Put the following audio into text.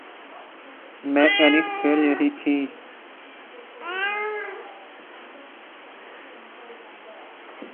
میں ٹینس کھیل رہی تھی